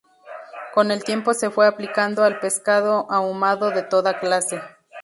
Con el tiempo se fue aplicando al pescado ahumado de toda clase.